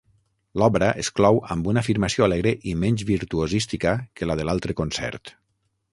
L'obra es clou amb una afirmació alegre i menys virtuosística que la de l'altre concert.